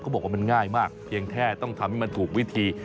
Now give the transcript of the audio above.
บอกว่ามันง่ายมากเพียงแค่ต้องทำให้มันถูกวิธี